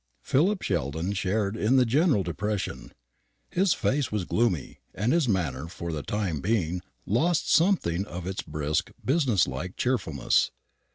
Philip Sheldon shared in the general depression. His face was gloomy, and his manner for the time being lost something of its brisk, business like cheerfulness.